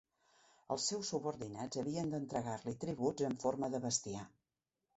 Els seus subordinats havien de entregar-li tributs en forma de bestiar.